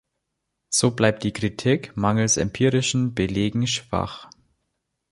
So bleibt die Kritik mangels empirischen Belegen schwach.